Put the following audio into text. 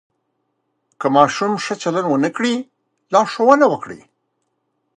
که ماشوم ښه چلند ونه کړي، لارښود ورکړئ.